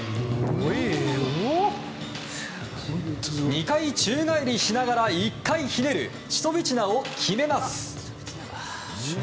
２回宙返りしながら１回ひねるチュソビチナを決めます。